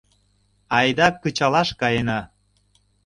— Айда кычалаш каена.